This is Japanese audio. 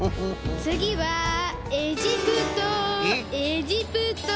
つぎはエジプトエジプト。